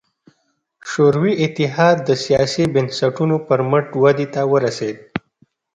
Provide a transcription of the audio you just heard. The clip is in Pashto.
شوروي اتحاد د سیاسي بنسټونو پر مټ ودې ته ورسېد.